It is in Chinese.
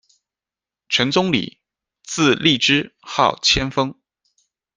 陈宗礼，字立之，号千峰。